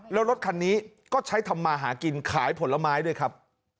แล้วรถคันนี้ก็ใช้ทำมาหากินขายผลไม้ด้วยครับ